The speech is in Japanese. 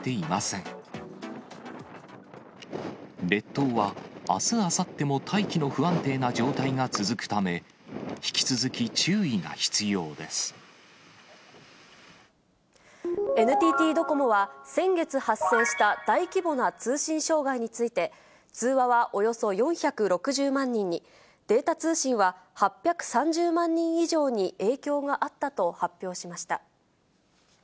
列島はあす、あさっても大気の不安定な状態が続くため、引き続き、ＮＴＴドコモは、先月発生した大規模な通信障害について、通話はおよそ４６０万人に、データ通信は８３０万人以上に影響があったと発表しました。